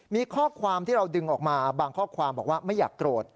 มีข้อความที่เราดึงออกมาบางข้อความบอกว่าไม่อยากโกรธ